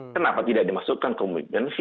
kenapa tidak dimasukkan komitmen fee